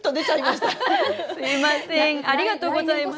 すみませんありがとうございます。